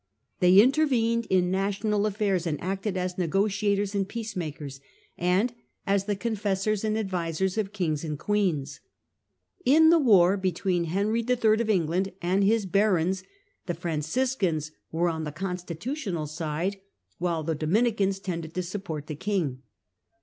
They intervened in national affairs, and acted as negotiators and peacemakers, and as the confessors and advisers of kings and queens. In the war between Henry III. of England and his barons, the Franciscans were on the constitutional side, while the Dominicans tended to support the king.